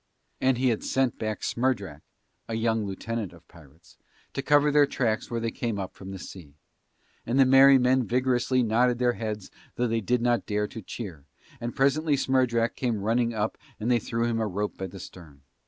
And he had sent back Smerdrak (a young lieutenant of pirates) to cover their tracks where they came up from the sea. And the merry men vigorously nodded their heads though they did not dare to cheer, and presently Smerdrak came running up and they threw him a rope by the stern.